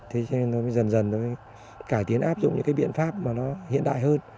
thế cho nên dần dần nó cải tiến áp dụng những viện pháp hiện đại hơn